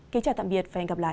kính chào tạm biệt và hẹn gặp lại